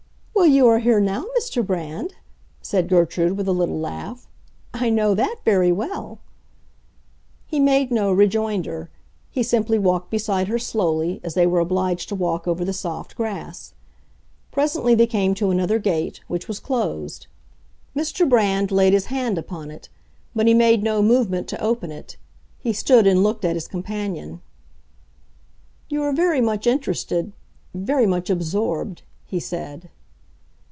"Well, you are here now, Mr. Brand!" said Gertrude, with a little laugh. "I know that very well." He made no rejoinder. He simply walked beside her slowly, as they were obliged to walk over the soft grass. Presently they came to another gate, which was closed. Mr. Brand laid his hand upon it, but he made no movement to open it; he stood and looked at his companion. "You are very much interested—very much absorbed," he said.